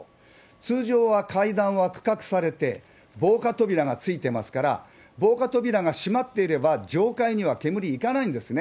通常は階段は区画されて、防火扉がついてますから、防火扉が閉まっていれば上階には煙行かないんですね。